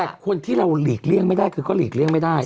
แต่คนที่เราหลีกเลี่ยงไม่ได้คือก็หลีกเลี่ยงไม่ได้